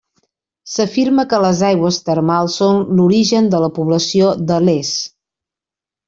S'afirma que les aigües termals són l'origen de la població de Les.